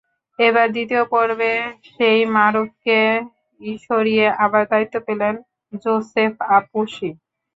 এবার দ্বিতীয় পর্বে সেই মারুফকেই সরিয়ে আবার দায়িত্ব পেলেন যোসেফ আপুসি।